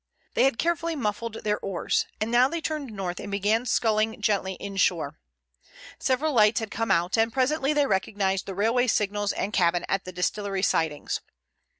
They had carefully muffled their oars, and now they turned north and began sculling gently inshore. Several lights had come out, and presently they recognized the railway signals and cabin at the distillery sidings.